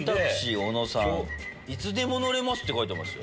「いつでも乗れます」って書いてますよ。